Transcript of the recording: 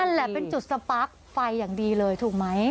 แหละเป็นจุดสปาร์คไฟอย่างดีเลยถูกไหม